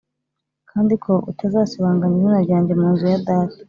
kandi ko utazasibanganya izina ryanjye mu nzu ya data.